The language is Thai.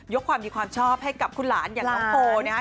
ความดีความชอบให้กับคุณหลานอย่างน้องโฟนะครับ